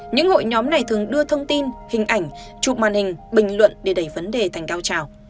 những hội nhóm này thường đưa thông tin hình ảnh chụp màn hình bình luận để đẩy vấn đề thành cao trào